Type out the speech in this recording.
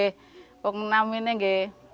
ketika di rumah saya saya selalu menanggung